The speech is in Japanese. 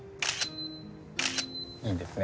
いいですね。